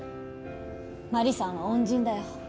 マリさんは恩人だよ。